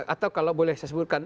atau kalau boleh saya sebutkan